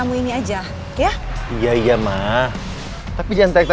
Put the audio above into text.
mama yakin disana toiletnya rusak